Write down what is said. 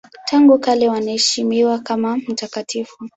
Tangu kale wanaheshimiwa kama mtakatifu.